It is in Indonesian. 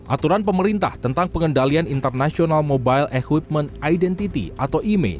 aturan pemerintah tentang pengendalian international mobile equipment identity atau imei